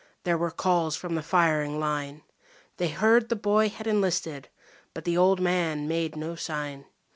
There were calls from the firing line; They heard the boy had enlisted, but the old man made no sign.